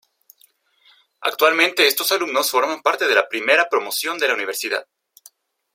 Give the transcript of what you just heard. Actualmente estos alumnos forman parte de la Primera Promoción de la universidad.